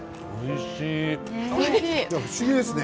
不思議ですね